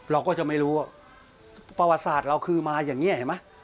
เราก็จะไม่รู้ประวัติศาสตร์เราคือมาอย่างนี้เห็นไหม